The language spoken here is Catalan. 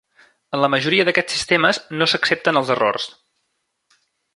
En la majoria d'aquests sistemes, no s'accepten els errors.